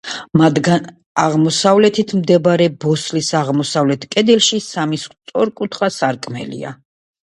მათგან აღმოსავლეთით მდებარე ბოსლის აღმოსავლეთ კედელში სამი სწორკუთხა სარკმელია.